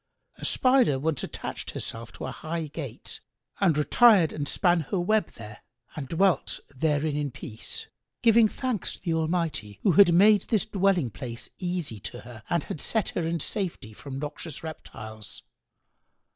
A Spider once attached herself to a high gate[FN#94] and a retired and span her web there and dwelt therein in peace, giving thanks to the Almighty, who had made this dwelling place easy to her and had set her in safety from noxious reptiles.